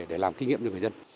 để làm kinh nghiệm cho người dân